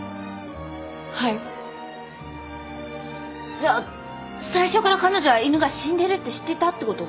はいじゃあ最初から彼女は犬が死んでるって知っていたってこと？